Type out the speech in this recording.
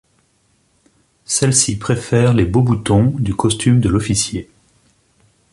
Celle-ci préfère les beaux boutons du costume de l'officier.